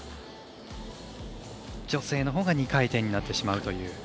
女性のほうが２回転になってしまうという。